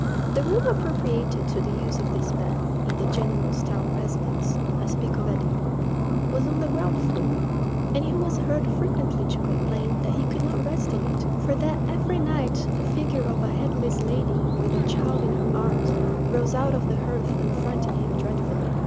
The room appropriated to the use of this man, in the general's town residence (I speak of Edinburgh), was on the ground floor; and he was heard frequently to complain that he could not rest in it, for that every night the figure of a headless lady, with a child in her arms, rose out of the hearth and frightened him dreadfully.